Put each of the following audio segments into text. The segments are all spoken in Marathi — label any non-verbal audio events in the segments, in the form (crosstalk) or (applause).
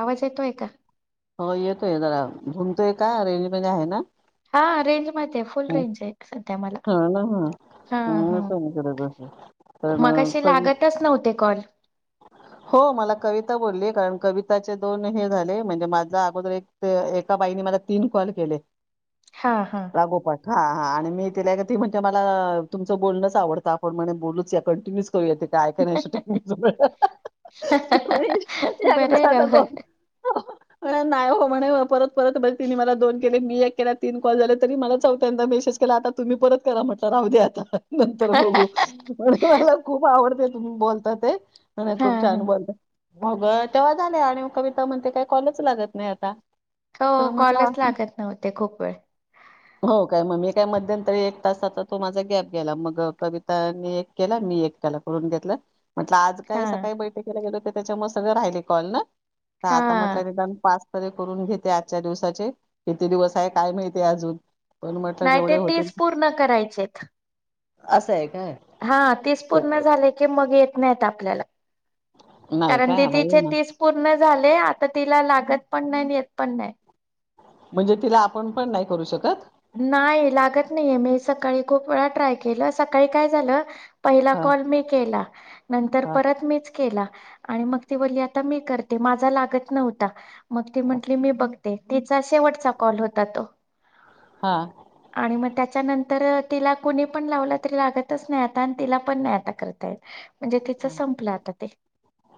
आवाज येतोय का. हो येतोय जरा घुमतोय का रेंज मध्ये आहे ना. हा रेंज मध्ये आहे फुल रेंज आहे सध्या मला. हा ना हा हा हा ह का नाही करत पण मगाशी लागतच नव्हते कॉल. हो मला कविता बोलली कारण कविताचे दोन हे झाले. म्हणजे माझ्या अगोदर एक एका बाईने मला तीन कॉल केले. हा हा रागोपाठ हा हा आणि ती म्हणते की मला तुमचं बोलणच आवडतं. आपण म्हणे बोलूच या कंटिन्यू तू येते काय काय नाही. शूटिंग बरं आहे एकदा राव तो नाही हो म्हणे परत परत बज तिने मला दोन केले मी एक केला तीन कॉल झाले. तरी मला चौथ्यांदा मेसेज केला. आता तुम्ही परत करा म्हटलं राहू दे आता नंतर बघू प मला खूप आवडते. तुम्ही बोलता ते म हा खूप हा. छान बोलत. अगं तेव्हा झाले आणि कविता म्हणते काय कॉलच लागत नाही आता हो तर कॉलेच म्हटलं लागत नव्हते. खूप वेळ हो काय मग मी मध्यंतरी एक तासाचा तो माझा गॅप गेला. मग कविता आणि एक केला मी एक केला कडून घेतला. हा काही सकाळी बैठकी केला गेलो. त्याच्या मुळे सगळ राहिले कॉल ना आता हा. म्हटलं निदान पाच करून घेते आजच्या दिवसाचे किती दिवस आहे. काय माहितीय अजून पण म्हटलं नाही जेवढे ते होतील तेीच पूर्ण करायचेत. असं आहे. काय? हा तेीच पूर्ण झाले की मग. येत आपल्याला नाही कारण का भाई दिदीचे ना तीस पूर्ण झाले आता तिला लागत पण नाही येत पण नाही. म्हणजे तिला आपण पण नाही करू शकत. नाही लागत नाहीये मी सकाळी खूप वेळा ट्राय केलं. सकाळी काय झालं. पहिला ह कॉल मी केला नंतर ह परत मीच केला. आणि मग ती बली आता मी करते माझा लागत नव्हता. मग ती म्हंटली मी बघते तिचा शेवटचा कॉल होता. तो हा हा, आणि मग त्या त्याच्यानंतर तिला कुणी पण लावलं तरी लागतच नाही. आता आणि तिला पण नाही आता करताय. म्हणजे त्याच संपलं आता ते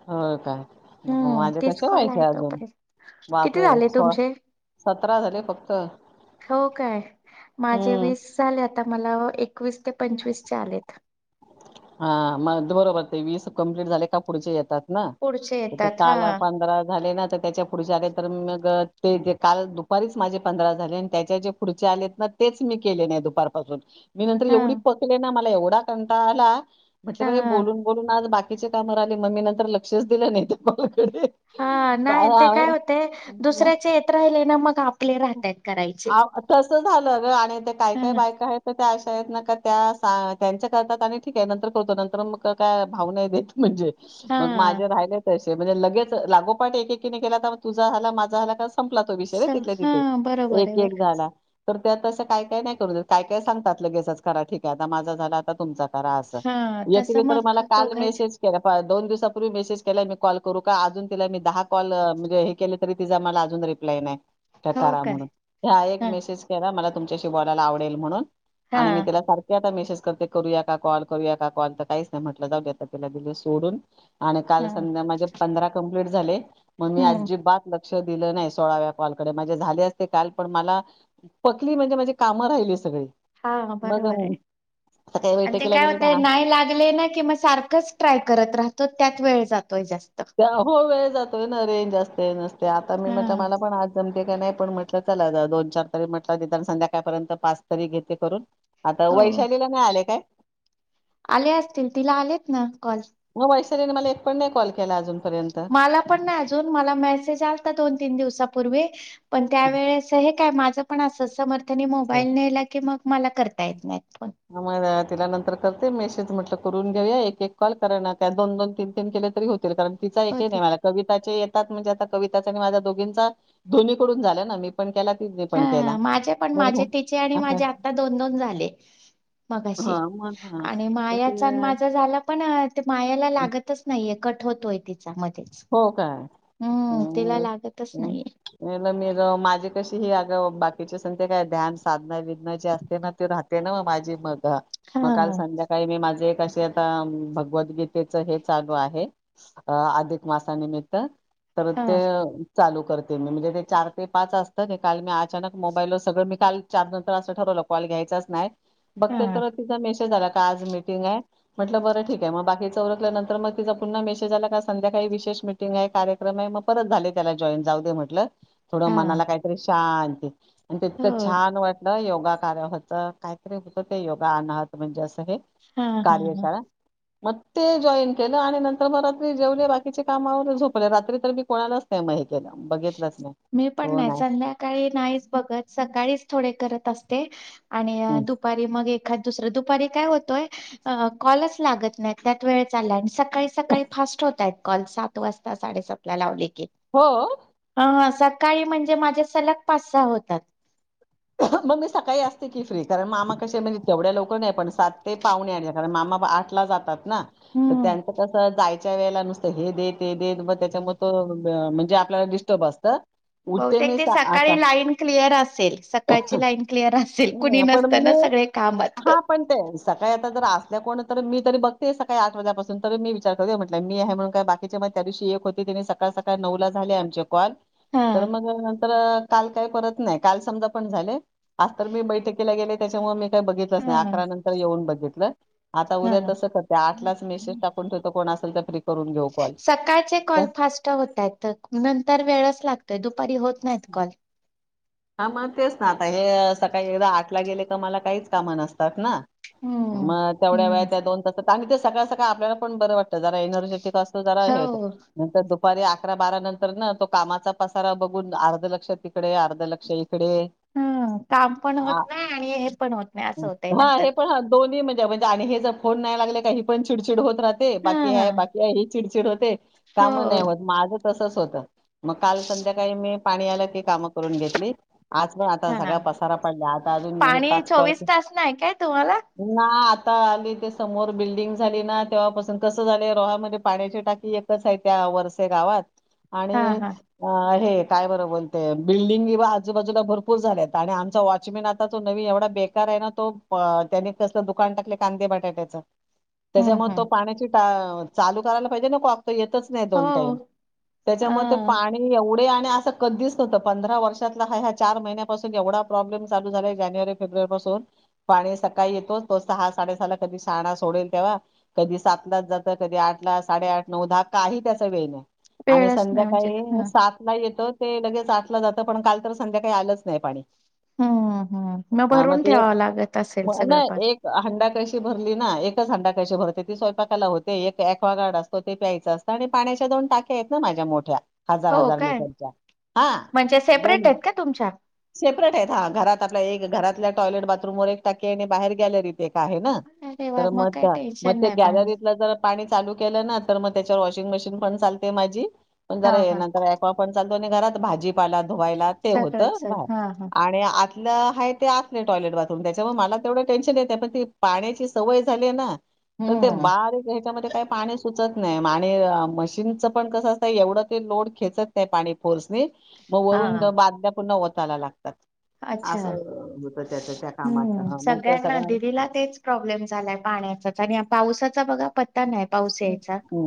हो काय मग हम् माझे तेच कसे कॉल व्हायचे आहे अजून तोपर्यंत किती बापरे झाले सोळा तुमचे सतरा झाले फक्त हो काय माझे हम्म वीस झा आता मला एकवीस ते पंचवीस आले. हा मग बरोबर ते वीस कंप्लीट झाले का पुढचे येतात. ना पुढचे येतात काल हा पंधरा झाले ना. त्याच्या पुढचे आले तर मग ते जे काल दुपारीच माझे पंधरा झाले आणि त्याच्या जे पुढचे आलेत ना तेच मी केले नाही दुपारपासून. मी नंतर हां पकले ना मला एवढ. एवढा कंटाळ आला. म्हटल हां बोलून-बोलून आज बाकी. बाकीची काम राहिले मग मी नंतर लक्षच दिलं नाही ते कॉल हा नाही ते काय होते, दुसऱ्याचे येत राहिले ना मग. आपले राहत्यात करायचे. तस झालं ग आणि ते काय- हां काय बायका आहेत ना त्या. का त्या त्यांच्या करतात आणि ठीक आहे नंतर करतो नंतर मग काय भाव नाही देत. म्हणजे मग हां. माझे राहिले तशे. म्हणजे लगेच लागोपाठ एकीकेने केला तर तुझा झाला माझा झाला. संपला तो विषय स तिथल्या तिथं. हां बरोबर आहे एक बर एक झाला. तर त्यात असं काय-काय नाही करू काय काय सांगतात, लगेच करा ठीक आहे, आता माझा झाला आता तुमचा. करा अस हां एक तसं तर मग मला काल दोघांच मेसेज केला. दोन दिवसापूर्वी मेसेज केला मी कॉल करू का अजून तिला मी दहा कॉल म्हणजे हे केले तरी तिचा मला अजून रिप्लाय नाही. हो करा काय म्हणून हा एक हां मेसेज केला मला. तुमच्याशी बोलायला आवडेल म्हणून. आणि मी हां तिला सारखे आता मेसेज. करते करूया का कॉल, करूया कॉल, तर काहीच नाही म्हटल जाऊदे तीला दिल आता सोडून. आणि काल हां संध्याकाळी माझे पंधरा क. कंप्लीट झाले. मग मी हम्म आजीबात लक्ष. लक्ष दिलं नाही सोळाव्या कॉल. कडे, माझे झाले असते काल, पण मला पकली म्हणजे माझे कामं राहिली सगळी. हा मग बरोबर आहे, आता काही आणि ते बैठकीला काय गेले होतय ना नाही लागले ना कि मग सारखंच ट्राय करत राहतो, मग त्यात वेळ जा हो वेळ जातोय ना रेंज असते-नसते, आता मी म्हटलं हां मला पण आज. का नाही पण म्हटलं चला दोन चार तरी म्हटलं संध्याकाळपर्यंत पाच तरी घेते करून. आता हो वैशालीला नाही आले काय आले असतील तिला आलेत ना. कॉल. मग वैशालीने मला एक पण नाही कॉल. केला अजूनपर्यंत. मला पण नाही अजून, मला मेसेज आलता दोन-तीन दिवसापूर्वी. (inaudible) पण त्यावेेळेस हे काय माझं ण अस समर्थ नी मोबाईल नेला की, मग मला करता येत नाही. मग तिला नंतर करते मेसेज म्हटलं करून घेऊया एक एक कॉल, करन दोन दोन तीन तीन केले तरी हो कारण तिचा एक ही होते नाही मला कविताचे तात म्हणजे आता कविताचा आणि माझा दोघंचा दोनीकडून झाला ना मी पण ने पण हा केला. माझे पण बरं माझे तिचे का आणि माझे असं आता दोन दोन झाले. मगाशी, हा मग हा आणि तसे मायाच माझा झाला पण ते मायाला लागतच नाहीय कट (unintelligible) हो का हम्म तिला लागतच नाहीये मी (unintelligible) माझी कशी ह बाकीच्या संग काय ध्यान साधना विधना जे असते ना, ते राहते ना मग माझी मग हा मग काल संध्याकाळी मी माझे क आता भगवद्गीतेच हे चालू आहे आ मासा निमित्त तर हा तेह चालू करते मी म्हणजे ते चार ते पाच असतं ते काल मी अचानक मोबाईलवर सगळं मी काल चार नंतर असं ठरवलं कॉल घ्यायचंच नाही. बघते हा तर तिचा मेसेज आला. का आज मीटिंग आहे. म्हटलं बरं ठीक आहे मग बाकीच रखल्यानंतर मग तिचा पुन्हा मेसेज आला का संध्या का विशेष मिटिंग आहे कार्यक्रम आहे म परत झाले त्याला जॉन जाऊ दे म्हटलं थोड हा मनाला काहीतरी शांती आणि तितकं हो छान वाटलं येवून योग आला काहीतरी होत ते योग आला म्हणजे असा हा हा हा. कार्यशाळा मग ते जॉईन केलं आणि नंतर मग रात्री जेवले बाकी चे काम आवरुन झोपते रात्री तर मी कोणालाच नाही माहित मी पण नाही संध्याकाळी नाहीच बघत सकाळीच थोडे करत असतो. ते आणि हं. दुपारी मग एखाद दुसरं दु कधी काय होतय, कॉलच लागत नाही त्यात वेळ चालय आहे काही सकाळी सकाळी फास्ट होतायत कॉल सात वाजता साडेसातला लावले की हो सकाळी म्हणजे माझे सलग पाच सहा होतात. मग मी सकाळी असते की फ्री कारण मामा कशी म्हणजे तेवढ्या लवकर- नाही पण सात ते पाहणे आण कारण मामा पण आठला जातात- तर हम्म त्यांच कस जायच- त्या वेळेला नुसतं हे दे ते दे मग त्याच्या त म्हणजे आपल्याला डिस्टर्ब असत बहुतेक ते सकाळी लाईन क्लिअर असेल स- सकाळची लाईन क्लिअर असेल कुणी हं, पण नसत मी ना सगळे कामात- हा पण ते सकाळी आता जर असल्या कोण तर मी तरी बघते सकाळी आठ वाजापासून तर मी विचार करते म्हटलं मी आहे म्हणून काय बाकीच्या म त्या दिवशी एक होते ते सकाळ सकाळी नऊ ला झाले आमच्या- कॉल हा तर मग नंतर- काल काय करत नाही काल समजा- झाले आज तर मी बैठकीला गेले त्याच्यामुळे- का बघितलंच नाही हा अकरा नंतर येऊन बघितलं- आता उद्या हा तसं करते आठलाच मेसेज टाकून ठेवतो कोण असेल तर- फ्री करून घेऊ कॉल सकाळचे कॉलफास्ट होत आहेत नंतर वेळच लागतोय दुपारी होत- होय नाहीत कॉल- हा मग तेच ना आता हे सकाळी एकदा आठला गेले का मला काहीच कामं नसतात ना- हम्म मग तेवढ्या हम्म. वेळात म दोन तास- आणि ते सकाळ सकाळ आपल्याला पण बरं वाटतं जरा एनर्जेटिक असत- जरा हे होत हो नंतर दुपारी- दुपारी अकरा बारा नंतर ना तो कामाचा - अ इकडे ह काम पण होत नाही आणि हे पण होत नाही असं होतंय हा नंतर. हे पण ह दोन्ही म्हणजे म्हणजे आणि हेच- होन नाही लागले काही पण चिडचिड होत- ते बाकी ह हा बाकी आहे चिड- हो ते- काम हो नाही होत माझं- तसच होत मग काल संध्याकाळी मी पाणी आलं की कामं करून घेतली- आज पण आता हा सगळ पसारा पडल्या आता अजून हे पाणी पाच चोवीस करते तास नाही काय तुम्हाला? ना आता- आता आली ते समोर बिल्डिंग झाली ना तेव्हापासून कसं झालं रोहामध्ये पाण्याची टाकी एकच आहे त्या वरसे गावात- हा आणि हा अ हे- काय बरं बोलतेय बिल्डिंग- आजूबाजूला भरपूर झालेत आणि आमचा वॉचमॅन आता जो नवीन एवढा बेकार आहे ना तो त्यानी कसलं दुकान टाकले कांदे बटाट्याच- हम्म त्याच्यामुळे तो हम्म पाण्याची टा- चालू करायला पाहिजे ना कॉ- येतच नाही दोन टाईम हो त्याच्या अ पाणी एवढ- मी अस कधीच नव्हत पंधरा वर्ष. हा ह्या चार महिन्यापासून एवढा प्रॉब्लेम चालू झाला जानेवारी फेब्रुवारी पासून पाणी सकाळी येतो तो सहा साडेसहा ला कधी शाहाणा सोडेल तेव्हा, कधी सातलाच जातं कधी आठला साडेआठ नऊ-दहा काही त्याचा वेळ नाही. आणि वेळच नाही म्हणजे संध्याकाळी ह. सातला येत. लगेच आठला जात. पण काल तर संध्याकाळी आलंच नाही पाणी. हम्म हम्म हा मग भरून ते ठेवावं लागत असेल सगळं ना पण एक हंडा कळशी भरली ना एक. हंडा कळशी भरते, ती स्वयंकाला होते, एक्वागार्ड असतो ते प्यायचं असतं, आणि पाण्याच्या दोन टाक्या आहेत ना माझ्या मोठ्या. हो हजार-हजार काय? लेटरच्या हा. म्हणजे जाऊन सेपरेट या. आहेत का तुमच्या? सेपरेट आहेत हा घरात आपल्या एक घ घरातल्या टॉयलेट बाथरूमवर एक टाकी आणि बाहेर एक गॅलरीत. एक आहे ना. अरे वा तर मग काही त्या, मग टेन्शन त्या नाही पाणी गॅलरीतला जर पाणी चालू केलं ना तर मग त्याच्यावर वॉशिंग मशीन पण चालते माझी पण हा जरा हे हा नंतर ॲक्वा पण चाल पण घरात भाजी पाला व्हायला ते होत सगळंच सग भात हा हा. आणि आत आपलं आहे ते असले टॉयलेट बाथरूम त्याच्यावर मला तेवढं टेन्शन येत पण ती पाण्याची सवय झाली ना तर ते हम्म बारीक ह्याच्यामध्ये काही पाणी सुचत नाही आणि मशीनच पण कसं असत एवढं ते लोड खेचत नाही पाणी फोर्सनी म वरून ते हा बाद पुन्हा ओतायला लागतात. अच्छा असं होतं त्याचं त्या कामाचं हम् हां, मग त्या सगळ्यांना सगळ्या दिदीला तेच प्रॉब्लेम झालाय पाण्याचाच आणि पावसाचा बघा प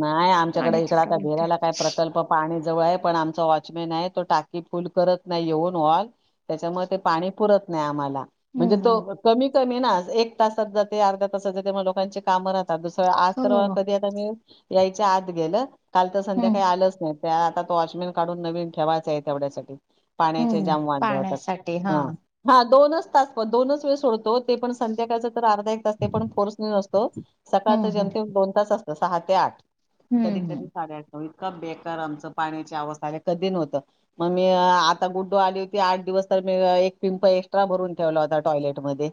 नाही आमच्याकडे पाण्याची इकड आता प्रॉब्लेम ते भिडायला काय प्रकल्प पाणी जवळ आहे, पण आमचा वॉचमॅन आहे, तो टाकी फुल्ल करत नाही, येऊन वॉल त्याच्यामुळे ते पाणी पुरत नाही आम्हाला. म्हणजे हम्म तो कमी. कमी ना. एक तासात जाते अर्ध्या तासात जाते लोकांचे काम राहत राहतात दुसरं आज तर. हो कधी आता मी. यायच्या आत गेलं. काल तर हम्म संध्याकाळी आलंच नाहीत. त्या आता तो वॉचमॅन काढून नवीन ठेवायचां आहे तेवढ्यासाठी. पाण्याचे हम्म जाम वांदे होतात, पाण्यासाठी हा दोनच. दोनच तास, दोनच वेळ सोडतो ते पण संध्याकाळच. अर्धा एक तास ते पण फोर्सनेच असतो हम्म सकाळचं हम्म जेमतेम सहा ते आठ. कधी हम्म कधी साडे आठ बेकार आमचं पाण्याची अवस्था कधी नव्हतं मग मी आता गुड्डू आली होती आठ दिवस तर मी एक पिंप एक्स्ट्रा भरून ठेवला होता टॉयलेटमध्ये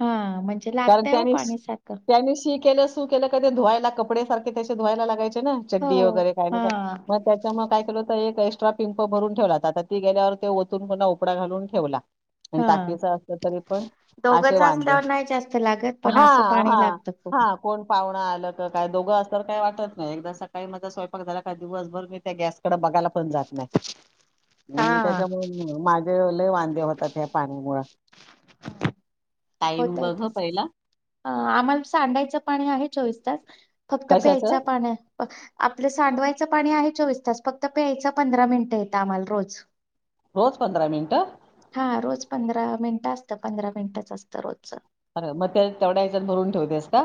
हा म्हणजे कारण लागतय हो त्यानी पाणी सारखं त्यानी शी केलं सू केल की धुवाय लागते कपडे सारखे त्याचे धुवायला लागायचे हो चड्डी वगैरे काय ना हा कायतर मग त्याच्यामुळे काय केलो तर एक एक्स्ट्रा पिंप भरून ठेवला आता ती गेल्यावर ते ओतून पुन्हा उपडा घालून ठेवला हा टाकीच असलं तरी पण असे दोघंच वांदे असल्यावर नाही जास्त लागत पण हा असं पाणी हा लागतं खूप हा कोण पाव हा लघ काय दोघं अस तर काय वाटत नाही एकदा सकाळी माझा स्वयंपाक झाला काही दिवसभर मी त्या गॅस कड बघायला पण जात नाही हा त्याच्यामुळे माझे लय वांदे होतात ह्या पाण्यामुळ होतय बघ हं तस पहिला आम्हाला सांडायचं पाणी आहेच चोवीस तास फक्त प्यायच कशाचं पाणी आपलं सांडवायचं पाणी आहे चोवीस तसा फक्त प्यायचा पंधरा मिनिट येत आम्हाला रोज रोज पंधरा मिनट हा रोज पंधरा मिनिटं असतं पंधरा मिनिटच असतं रोजच अर मग त्या तेवढ्या याच्यात भरून ठेवतेस का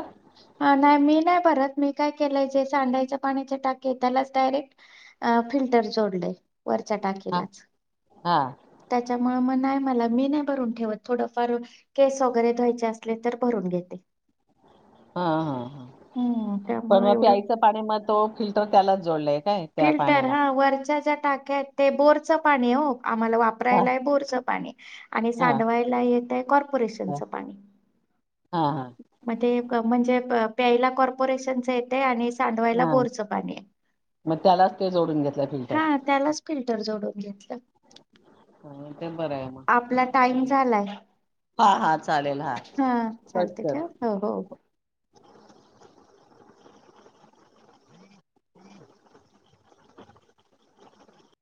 हा नाही मी नाही भरत मी काय केलंय जे सांडायच्या पाण्याचे टाके त्यालाच डायरेक्ट फिल्टर जोडले वरच्या हा टाकीलाच हा त्याच्यामुळे मग नाही मला मी नाही भरून ठेवत थोडफार केस वगैरे धवायचे असले तर भरून घेते हा हा हा हम्म पण त्यामुळे मग एवढं प्यायचं पाणी मग तो फिल्टर त्यालाच जोडलाय काय त्या फिल्टर पाण्याला हा वरच्या ज्या टाक्या आहेत ते बोरच पाणी हो आम्हाला हा वापरायला आहे बोरचं पाणी आणि हा सांडवायला येत आहे हा कॉर्पोरेशनच पाणी हा हा म ते म्हणजे प्याला कपोरेशनच येतय आणि सांडवायला हा. बोरचं पाणी आहे मग त्यालाच ते जोडून घेतलं फिल्टर हा त्यालाच फिल्टर जोडून घेतलं. ते बरं आहे मग आपला टाईम झालाय हा हा चालेल हा कट चालत कर ठेव हो हो हो.